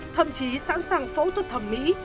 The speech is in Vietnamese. thậm chí sẵn sàng phẫu thuật thẩm mỹ